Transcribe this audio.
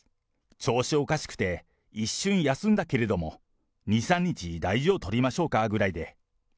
調子おかしくて、一瞬、休んだけれども、２、３日大事を取りましょうかぐらいで。